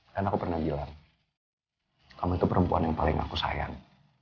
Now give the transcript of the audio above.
kan aku pernah bilang kamu itu perempuan yang paling aku sayang